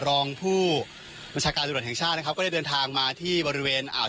รองผู้บัญชาการตำรวจแห่งชาตินะครับก็ได้เดินทางมาที่บริเวณอ่าว